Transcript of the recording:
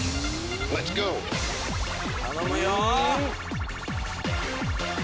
頼むよ